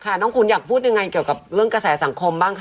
น้องคุณอยากพูดยังไงเกี่ยวกับเรื่องกระแสสังคมบ้างคะ